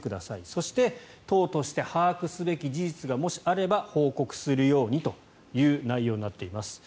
そして党として把握すべき事実がもしあれば報告するようにという内容になっています。